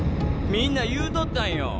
みんな言うとったんよ。